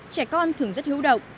trẻ con thường rất hữu độc